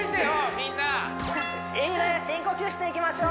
みんないいね深呼吸していきましょう